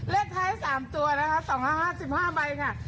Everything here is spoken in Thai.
เลขท้ายสามตัวนะฮะสองห้าห้าสิบห้าใบค่ะ